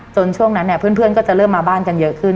ช่วงนั้นเนี่ยเพื่อนก็จะเริ่มมาบ้านกันเยอะขึ้น